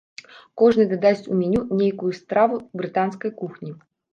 Кожны дадасць у меню нейкую страву брытанскай кухні.